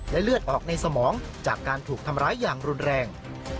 เลือดออกในสมองจากการถูกทำร้ายอย่างรุนแรง